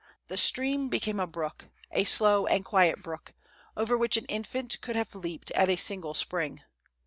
The stream became a brook, a slow and quiet brook, over which an infant could have leaped at a single spring.